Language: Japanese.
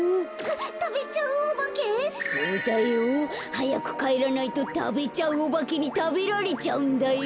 はやくかえらないとたべちゃうおばけにたべられちゃうんだよ。